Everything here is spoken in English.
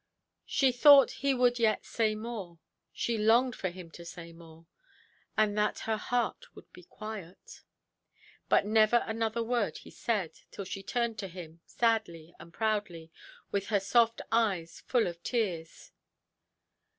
She thought he would yet say more—she longed for him to say more; oh that her heart would be quiet! But never another word he said, till she turned to him, sadly and proudly, with her soft eyes full of tears.